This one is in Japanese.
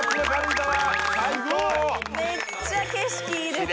めっちゃ景色いいですね